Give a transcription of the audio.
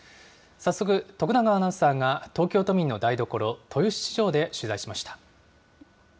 早速、徳永アナウンサーが東京都民の台所、豊洲市場で取材しました。